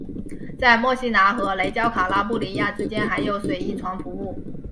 在墨西拿和雷焦卡拉布里亚之间还有水翼船服务。